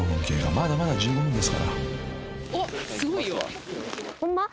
まだまだ１５分ですから］